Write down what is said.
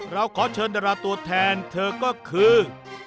เราขอเชิญดาราตัวแทนเธอก็คือ